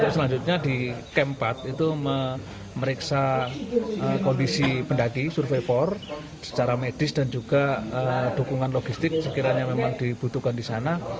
selanjutnya di kem empat itu meriksa kondisi pendaki survei por secara medis dan juga dukungan logistik sekiranya memang dibutuhkan di sana